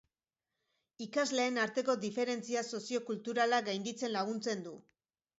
Ikasleen arteko diferentzia soziokulturalak gainditzen laguntzen du.